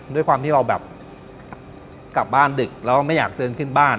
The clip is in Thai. ด้วยความที่เราแบบกลับบ้านดึกแล้วไม่อยากเดินขึ้นบ้าน